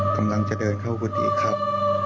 กำลังจะเดินเข้าบุตรอีกครับ